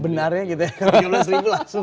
benarnya gitu ya